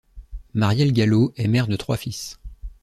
Marielle Gallo est mère de trois fils.